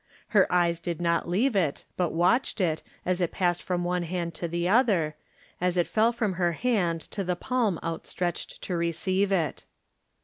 Her eyes did not leave it, but watched it, as it passed from one hand to the other, as it fell from her hand to the palm outstretched to re ceive it.